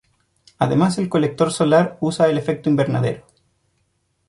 Además el colector solar usa el efecto invernadero.